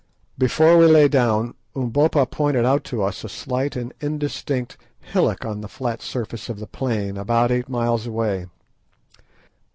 Before we lay down, Umbopa pointed out to us a slight and indistinct hillock on the flat surface of the plain about eight miles away.